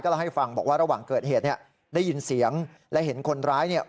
เล่าให้ฟังบอกว่าระหว่างเกิดเหตุเนี่ยได้ยินเสียงและเห็นคนร้ายเนี่ย